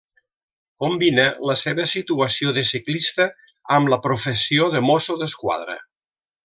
Combina la seva situació de ciclista amb la professió de mosso d'esquadra.